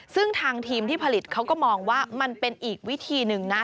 ซึ่งทางทีมที่ผลิตเขาก็มองว่ามันเป็นอีกวิธีหนึ่งนะ